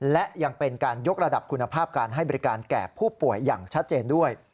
และยังเป็นการยกระดับคุณภาพการให้บริการแก่ผู้ป่วยอย่างชัดเจนด้วย